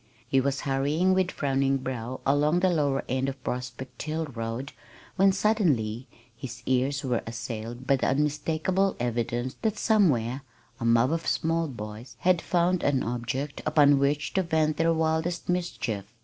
He was hurrying with frowning brow along the lower end of Prospect Hill road when suddenly his ears were assailed by the unmistakable evidence that somewhere a mob of small boys had found an object upon which to vent their wildest mischief.